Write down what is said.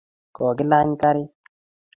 kokilany karit